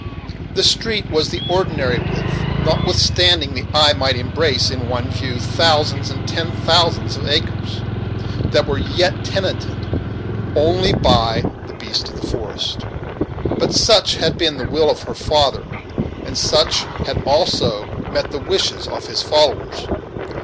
The street was of the ordinary width, notwithstanding the eye might embrace, in one view, thousands and tens of thousands of acres, that were yet tenanted only by the beasts of the forest. But such had been the will of her father, and such had also met the wishes of his followers.